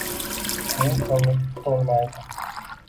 uning ko‘ngli to‘lmaydi.